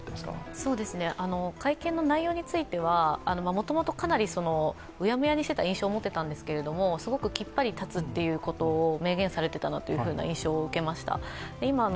会見の内容についてはもともと、かなりうやむやにしていた印象を持っていたんですがすごくきっぱり断つということを明言されていたなという印象を受けました。